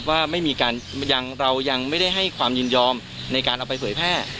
ว่าเรายังไม่ได้ให้ความยินยอมในการเอาไปเผยแพร่